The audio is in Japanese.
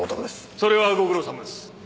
それはご苦労さまです。